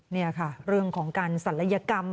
นี่ค่ะเรื่องของการศัลยกรรม